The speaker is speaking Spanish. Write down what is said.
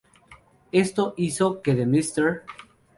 Esto hizo que The Mrs.